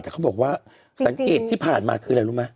แต่เขาบอกว่าสังเกตที่ผ่านมาคืออะไรรู้ไหม